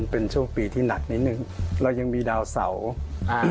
เป็นช่วงปีที่หนักนิดนึงเรายังมีดาวเสาอ่า